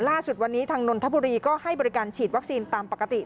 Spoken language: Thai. ล่าสุดวันนี้ทางนนทบุรีก็ให้บริการฉีดวัคซีนตามปกติ